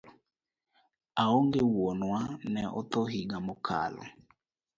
Aonge wuonwa, notho higa mokalo